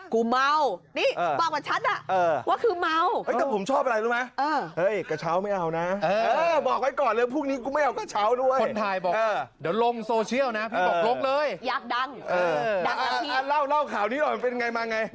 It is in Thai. กูเมาเพราะผมชอบ